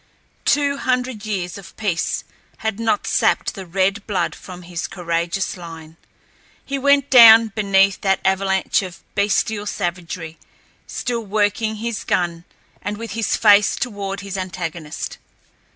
Two hundred years of peace had not sapped the red blood from his courageous line. He went down beneath that avalanche of bestial savagery still working his gun and with his face toward his antagonist.